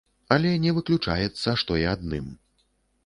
Але не выключаецца, што і адным.